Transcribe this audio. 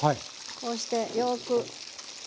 こうしてよく。